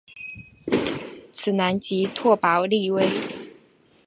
此男即拓跋力微。